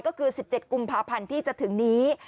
ก็คือ๑๗กุมภาพันธ์ที่จะถึงนี้